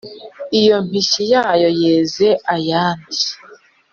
Iyo mpishyi yayo yeze ayandi.